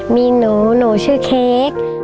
มีหนูหนูชื่อเค้ก